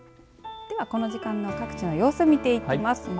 では、この時間の各地の様子を見ていきます。